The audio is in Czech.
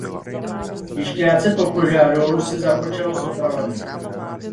Již krátce po požáru se započalo s opravami.